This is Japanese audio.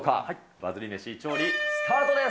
バズり飯、調理スタートです。